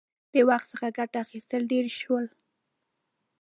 • د وخت څخه ګټه اخیستل ډېر شول.